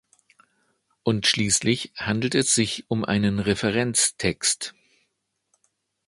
Und schließlich handelt es sich um einen Referenztext.